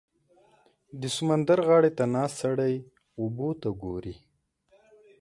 • د سمندر غاړې ته ناست سړی اوبو ته ګوري.